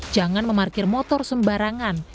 jangan memarkir motor sembarangan